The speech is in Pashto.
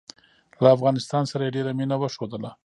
له افغانستان سره یې ډېره مینه وښودله.